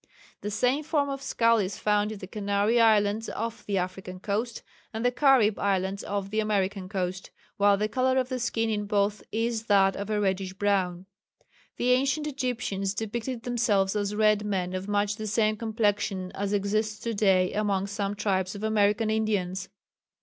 The same form of skull is found in the Canary Islands off the African coast and the Carib Islands off the American coast, while the colour of the skin in both is that of a reddish brown. The ancient Egyptians depicted themselves as red men of much the same complexion as exists to day among some tribes of American Indians.